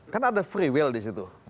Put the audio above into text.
kan ada free will disitu